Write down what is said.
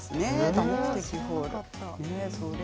多目的ホール。